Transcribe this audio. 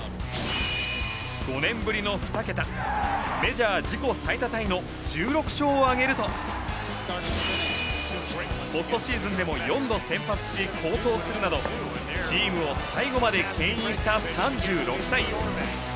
５年ぶりの２桁メジャー自己最多タイの１６勝を挙げるとポストシーズンでも４度先発し好投するなどチームを最後まで牽引した３６歳。